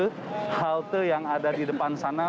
ke halte yang ada di depan sana